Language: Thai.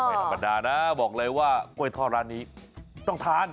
ไม่ธรรมดานะบอกเลยว่ากล้วยทอดร้านนี้ต้องทาน